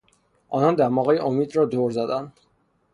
آنها دماغهی امید را دور زدند.